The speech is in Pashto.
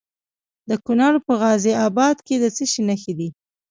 د کونړ په غازي اباد کې د څه شي نښې دي؟